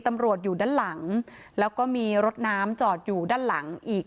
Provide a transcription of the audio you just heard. ตำรวจอยู่ด้านหลังแล้วก็มีรถน้ำจอดอยู่ด้านหลังอีก